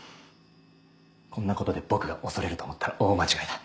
こんなことで僕が恐れると思ったら大間違いだ。